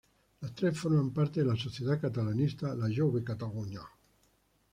Los tres formaban parte de la sociedad catalanista la Jove Catalunya.